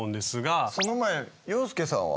その前に洋輔さんは？